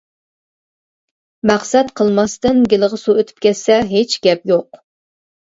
مەقسەت قىلماستىن گېلىغا سۇ ئۆتۈپ كەتسە ھېچ گەپ يوق.